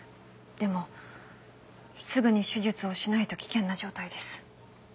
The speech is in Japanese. でもすぐに手術をしないと危険な状態です。